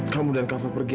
kamu dan kak fad pergi